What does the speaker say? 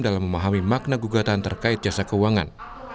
dalam memahami makna gugatan terkait jasa keuangan